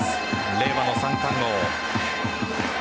令和の三冠王。